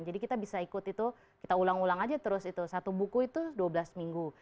jadi kita bisa ikut itu kita ulang ulang aja terus itu satu buku itu dua belas minggu